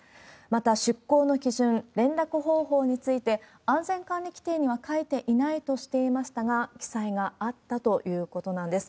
また出航の基準、連絡方法について、安全管理規程には書いていないとしていましたが、記載があったということなんです。